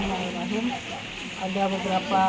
sebenarnya misalnya ada benar benar sih